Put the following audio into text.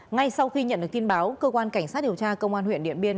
ngay sau khi nhận được tin báo cơ quan cảnh sát điều tra công an huyện điện biên